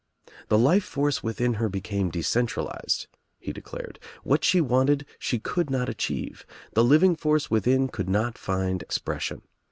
"The life force within her became decentralized," he declared. "What she wanted she could not achieve. The living force within :ould not find expression.